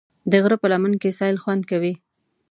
د غره په لمن کې سیل خوند کوي.